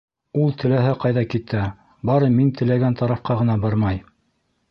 Ул теләһә ҡайҙа китә, бары мин теләгән тарафҡа ғына бармай.